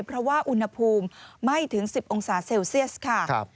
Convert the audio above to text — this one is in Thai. เพราะว่าอุณหภูมิไม่ถึง๑๐องศาเซลเซียสค่ะ